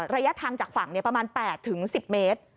ระยะทางจากฝั่งประมาณ๘๑๐เมตร